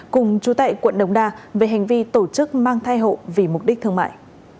hùng trú tại quận đống đa về hành vi tổ chức mang thai hộ vì mục đích thương mại